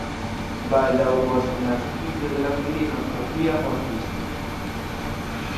Baldaŭ post naskiĝo de la filino "Sofia" mortis.